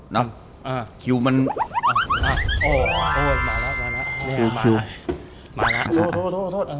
เนอะอ่าคิวมันอ่าโอ้โทษมาแล้วมาแล้วมาแล้วโทษโทษโทษ